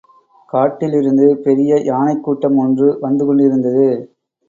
காட்டிலிருந்து பெரிய யானைக் கூட்டம் ஒன்று வந்து கொண்டிருந்தது.